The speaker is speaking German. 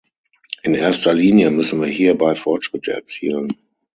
In erster Linie müssen wir hierbei Fortschritte erzielen.